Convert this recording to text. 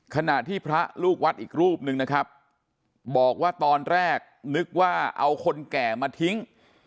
ขณะที่พระลูกวัดอีกรูปนึงนะครับบอกว่าตอนแรกนึกว่าเอาคนแก่มาทิ้ง